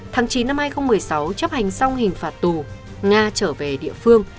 tháng chín năm hai nghìn một mươi sáu chấp hành xong hình phạt tù nga trở về địa phương